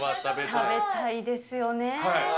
食べたいですよね。